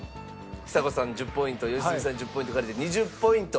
ちさ子さん１０ポイント良純さん１０ポイント借りて２０ポイント